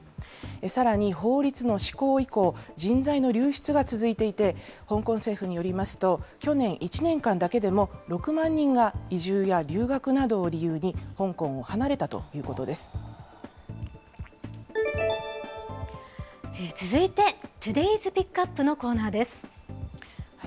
さらに、法律の施行以降、人材の流出が続いていて、香港政府によりますと、去年１年間だけでも６万人が移住や留学などを理由に香港を離れた続いて、トゥデイズ・ピックアップのコーナーです。